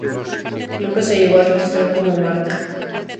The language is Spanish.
Nunca se llegó a registrar como marca.